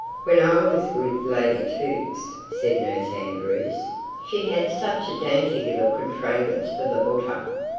"When I was with Lady Tukes," said Nurse Andrews, "she had such a dainty little contrayvance for the buttah.